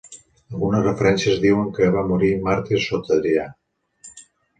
Algunes referències diuen que va morir màrtir sota Adrià.